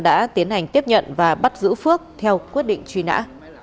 đã tiến hành tiếp nhận và bắt giữ phước theo quyết định truy nã